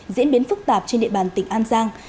diễn biến phức tạp trên địa bàn tỉnh an giang